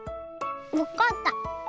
わかった。